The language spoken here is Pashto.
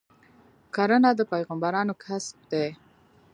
کرنه د پیغمبرانو کسب دی.